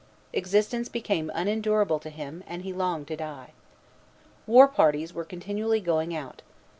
Existence became unendurable to him, and he longed to die. War parties were continually going out.